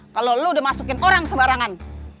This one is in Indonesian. kalau lo udah masukin orang sebarangan